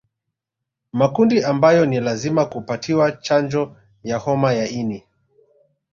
Makundi ambayo ni lazima kupatiwa chanjo ya homa ya ini